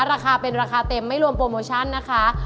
ราคาเป็นราคาเต็มไม่รวมโปรโมชั่นนะคะ